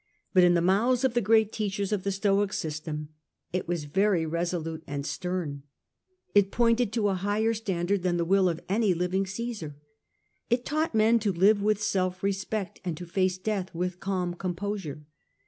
But in the mouths of the great teachers of the Stoic system it was very resolute and stern. It pointed to a higher standard than the will of any living Caesar ; it taught men to live with self respect and to face death with calm composure.